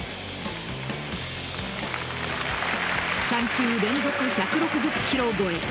３球連続１６０キロ超え。